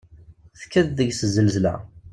Tekkat deg-s zznezla.